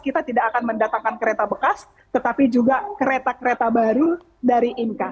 kita tidak akan mendatangkan kereta bekas tetapi juga kereta kereta baru dari inka